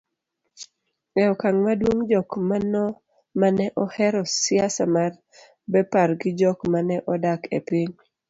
e okang' maduong' jok maneohero siasa mar Bepar gi jok maneodak e piny